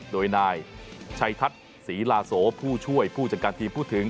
โดยนายชัยทัศน์ศรีลาโสผู้ช่วยผู้จัดการทีมพูดถึง